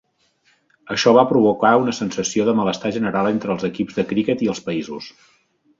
Això va provocar una sensació de malestar general entre els equips de criquet i els països.